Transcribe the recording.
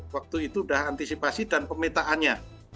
waktu itu udah antisipasi dan pemintaannya